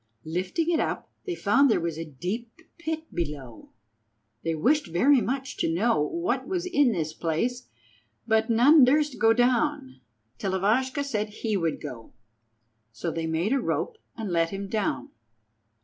Lifting it up they found there was a deep pit below. They wished very much to know what was in this place, but none durst go down, till Ivashka said he would go. So they made a rope and let him down.